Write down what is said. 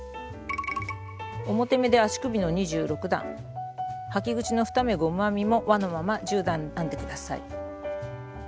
表目で足首の２６段履き口の２目ゴム編みも輪のまま１０段編んで下さい。